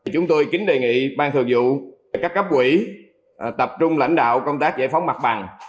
chúng tôi kính đề nghị ban thường vụ các cấp quỹ tập trung lãnh đạo công tác giải phóng mặt bằng